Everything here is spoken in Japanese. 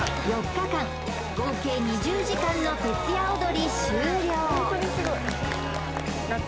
４日間合計２０時間の徹夜おどり終了